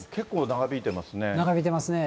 長引いてますね。